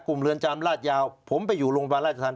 กลุ่มเรือนจำราชยาวผมไปอยู่โรงพยาบาลราชทัน